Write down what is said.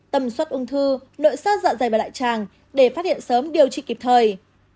tầm soát ung thư nội sơ dọa dày và lại tràng để phát hiện sớm điều trị kịp thời